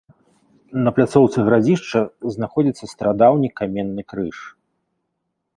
На пляцоўцы гарадзішча знаходзіцца старадаўні каменны крыж.